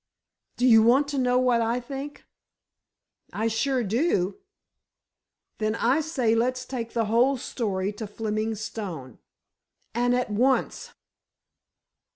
"Do you want to know what I think?" "I sure do." "Then, I say, let's take the whole story to Fleming Stone—and at once."